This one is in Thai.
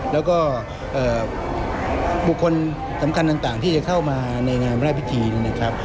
แล้วก็บุคคลสำคัญต่างที่จะเข้ามาในงานพระราชพิธีนะครับ